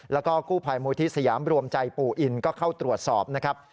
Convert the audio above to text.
แล้วก็กู้ภัยมูลที่สยามรวมใจปู่อินก็เข้าตรวจสอบนะครับ